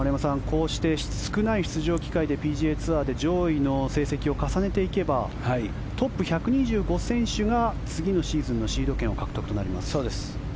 こうして少ない出場機会でＰＧＡツアーで上位の成績を重ねていけばトップ１２５選手が次のシーズンのそうです。